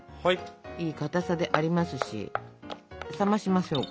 いいかたさでありますし冷ましましょうか。